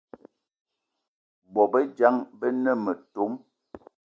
Bôbejang be ne metom